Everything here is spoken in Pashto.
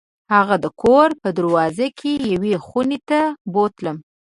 هغه د کور په دروازه کې یوې خونې ته بوتلم.